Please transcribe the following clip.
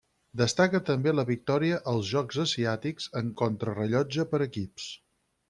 Destaca també la victòria als Jocs Asiàtics en Contrarellotge per equips.